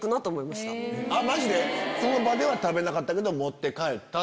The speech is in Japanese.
その場では食べなかったけど持って帰った。